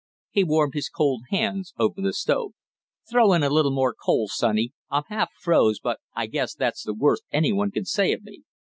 He warmed his cold hands over the stove. "Throw in a little more coal, sonny; I'm half froze, but I guess that's the worst any one can say of me!"